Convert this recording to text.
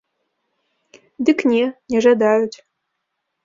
Дык не, не жадаюць.